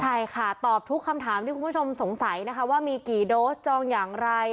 ใช่ค่ะตอบทุกคำถามที่คุณผู้ชมสงสัยนะคะว่ามีกี่โดสจองอย่างไร